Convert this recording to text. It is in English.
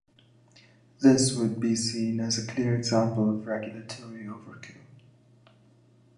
This would be seen as a clear example of regulatory overkill.